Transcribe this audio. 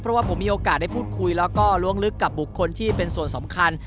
เพราะว่าผมมีโอกาสได้พูดคุยแล้วก็ล้วงลึกกับบุคคลที่เป็นส่วนสำคัญ